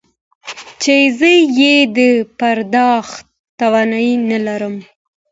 چې زه يې د پرداخت توانايي نه لرم.